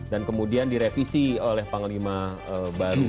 dan kemudian direvisi oleh panglima baru